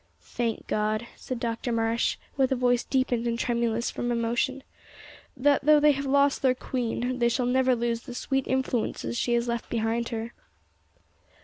"Thank God," said Dr Marsh, with a voice deepened and tremulous from emotion, "that though they have lost their queen, they shall never lose the sweet influences she has left behind her."